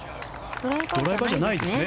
ドライバーじゃないですね。